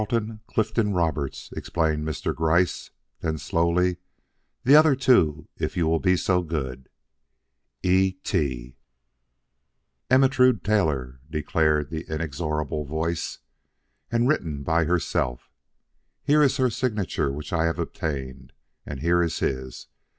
"Carleton Clifton Roberts," explained Mr. Gryce. Then slowly, "The other two if you will be so good." "E. T." "Ermentrude Taylor," declared the inexorable voice. "And written by herself. Here is her signature which I have obtained; and here is his.